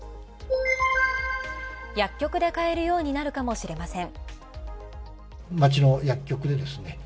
薬局で買えるようになるかもしれません。